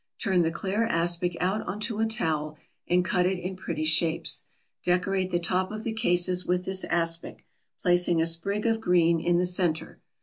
Turn the clear aspic out on to a towel and cut it into pretty shapes. Decorate the top of the cases with this aspic, placing a sprig of green in the centre.